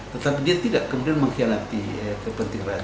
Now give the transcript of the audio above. tetapi dia tidak kemudian mengkhianati kepentingan